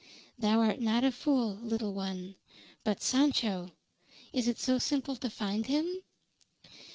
"Thou art not a fool, little one. But Sancho is it so simple to find him?"